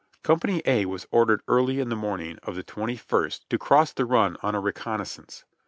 Company A was ordered early in the morning of the twenty first to cross the run on a reconnaissance.